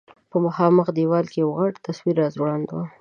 په مخامخ دېوال یو غټ تصویر راځوړند و.